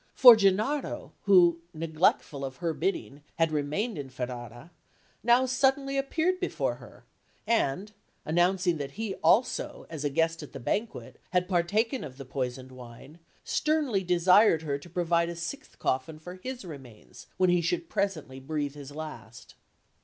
For Gennaro, who, neglectful of her bidding, had remained in Ferrara, now suddenly appeared before her; and, announcing that he also, as a guest at the banquet, had partaken of the poisoned wine, sternly desired her to provide a sixth coffin for his remains when he should presently breathe his last.